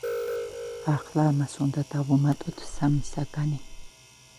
ახლა ამას უნდა დავუმატოთ სამი საგანი.